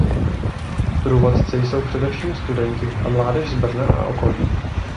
Průvodci jsou především studenti a mládež z Brna a okolí.